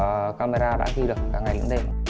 và camera đã ghi được cả ngày đến đêm